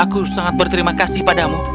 aku sangat berterima kasih padamu